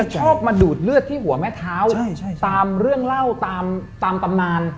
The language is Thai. ชอบมาดูดเลือดที่หัวแม่เท้าตามเรื่องเล่าตามตำนาน